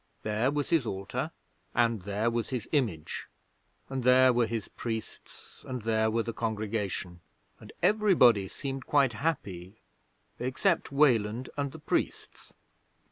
There was his altar, and there was his image, and there were his priests, and there were the congregation, and everybody seemed quite happy, except Weland and the priests.